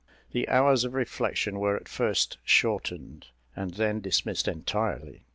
The hours of reflection were at first shortened, and then dismissed entirely.